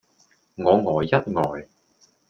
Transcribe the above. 我呆一呆